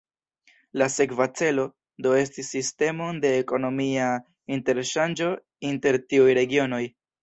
La sekva celo do estis sistemon de ekonomia interŝanĝo inter tiuj regionoj.